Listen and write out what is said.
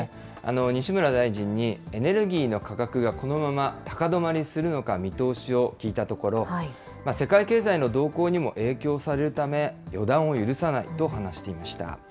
西村大臣に、エネルギーの価格がこのまま高止まりするのか見通しを聞いたところ、世界経済の動向にも影響されるため、予断を許さないと話していました。